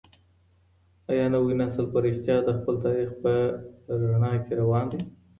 آيا نوی نسل په رښتيا د خپل تاريخ په رڼا کي روان دی؟